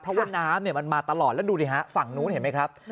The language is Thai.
เพราะว่าน้ำมันมาตลอดแล้วดูดิฮะฝั่งนู้นเห็นไหมครับ